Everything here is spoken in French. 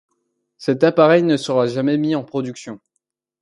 Cet appareil ne sera jamais mis en production.